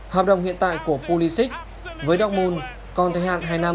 hợp đồng hiện tại của pulisic với dortmund còn thời hạn hai năm tới tháng sáu năm hai nghìn hai mươi